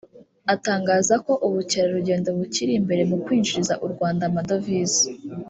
atangaza ko ubukerarugendo bukiri imbere mu kwinjiriza u Rwanda amadovize